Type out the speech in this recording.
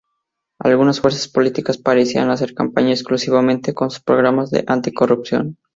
Algunas fuerzas políticas parecían hacer campaña exclusivamente en sus programas anticorrupción.